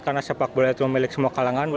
karena sepak bola itu memiliki semua kalangan